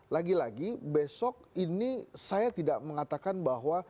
lagi lagi besok ini saya tidak mengatakan bahwa